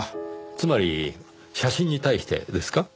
つまり写真に対してですか？